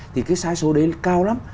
thì cái sai số đấy cao lắm